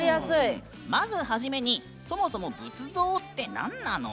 まず始めにそもそも仏像ってなんなの？